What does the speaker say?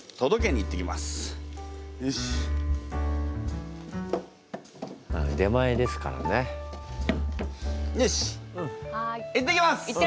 行ってきます！